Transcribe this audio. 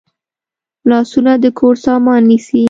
لاسونه د کور سامان نیسي